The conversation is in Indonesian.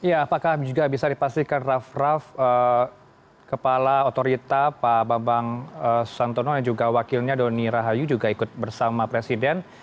apakah juga bisa dipastikan rav rav kepala otorita pak bambang santono dan juga wakilnya doni rahayu juga ikut bersama presiden